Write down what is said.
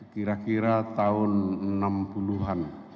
kira kira tahun enam puluh an